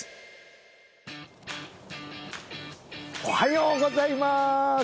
おはようございます！